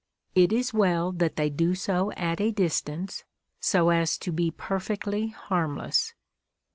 It is well that they do so at a distance, so as to be jDerfectly harmless.